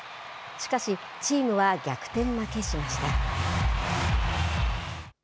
しかし、チームは逆転負けしました。